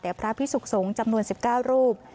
และพระพิสุขสงฆ์จำนวน๑๙รูป